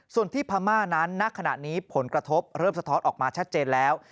ส่วนที่พม่านั้นณขณะนี้ผลกระทบเริ่มสะท้อนออกมาชัดเจนแล้ว